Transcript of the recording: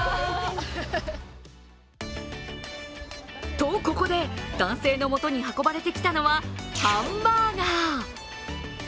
と、ここで男性の元に運ばれてきたのはハンバーガー。